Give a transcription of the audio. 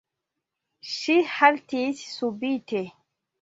Ŝi haltis subite.